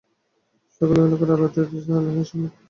সকাল-বেলাকার আলোটি দুধের ছেলের হাসির মতো নির্মল হইয়া ফুটিয়াছে।